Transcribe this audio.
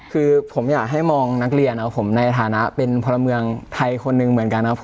คือผมอยากให้มองนักเรียนในฐานะเป็นพระเมืองไทยคนนึงเหมือนกัน